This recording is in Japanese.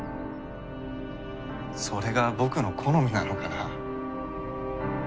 それが僕の好みなのかな。